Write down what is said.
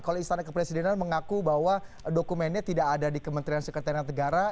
kalau istana kepresidenan mengaku bahwa dokumennya tidak ada di kementerian sekretariat negara